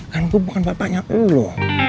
kan gue bukan bapaknya lo